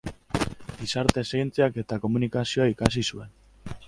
Gizarte Zientziak eta Komunikazioa ikasi zuen.